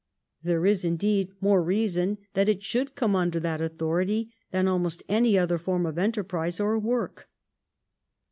There is, indeed, more reason that it should come under that authority than almost any other form of enterprise or work.